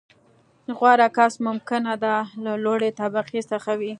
• غوره کس ممکنه ده، له لوړې طبقې څخه وي.